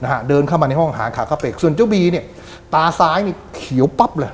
นะฮะเดินเข้ามาในห้องหางขาคาเป็กส่วนเจ้าบีเนี่ยตาซ้ายนี่เขียวปั๊บเลย